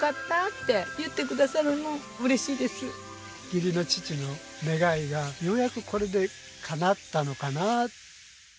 義理の父の願いがようやくこれでかなったのかな。